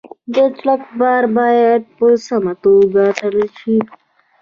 د ټرک بار باید په سمه توګه تړل شي.